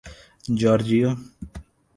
Georgia